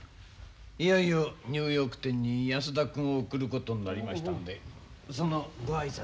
いよいよニューヨーク店に安田君を送ることになりましたんでそのご挨拶に。